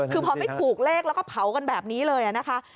คือพอไม่ถูกเลขแล้วก็เผากันแบบนี้เลยนะคะ